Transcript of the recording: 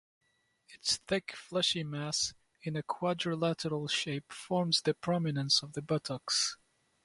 Its thick fleshy mass, in a quadrilateral shape, forms the prominence of the buttocks.